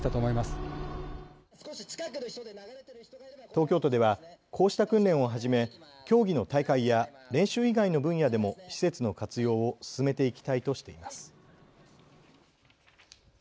東京都ではこうした訓練をはじめ競技の大会や練習以外の分野でも施設の活用を進めていきたいとしています。